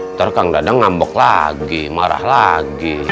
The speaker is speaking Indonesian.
ntar kang dadang ngambok lagi marah lagi